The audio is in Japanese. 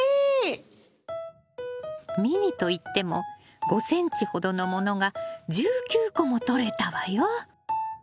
ミニといっても５ｃｍほどのものが１９個もとれたわよ。